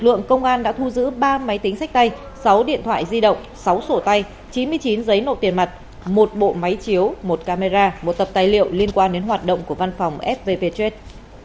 lực lượng công an đã thu giữ ba máy tính sách tay sáu điện thoại di động sáu sổ tay chín mươi chín giấy nộp tiền mặt một bộ máy chiếu một camera một tập tài liệu liên quan đến hoạt động của văn phòng fvj